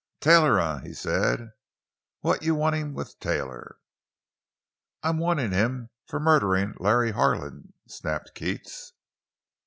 "Taylor, eh?" he said. "What you wantin' with Taylor?" "I'm wantin' him for murderin' Larry Harlan!" snapped Keats.